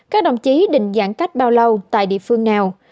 các đồng chí định giãn cách bao lâu tại địa phương nào